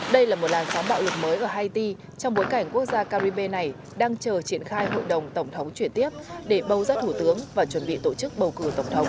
đây là một làn sóng bạo lực mới ở haiti trong bối cảnh quốc gia caribe này đang chờ triển khai hội đồng tổng thống chuyển tiếp để bầu ra thủ tướng và chuẩn bị tổ chức bầu cử tổng thống